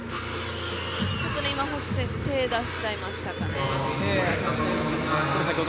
ちょっと今、星選手手を出しちゃいましたかね。